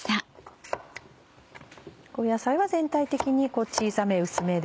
野菜は全体的に小さめ薄めで。